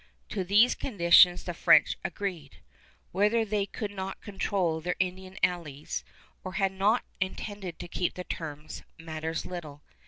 To these conditions the French agreed. Whether they could not control their Indian allies or had not intended to keep the terms matters little.